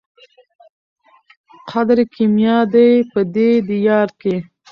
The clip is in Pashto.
قدر کېمیا دی په دې دیار کي